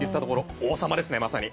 王様ですねまさに。